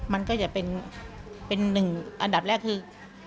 มันก็จะเป็นอันดับแรกคือ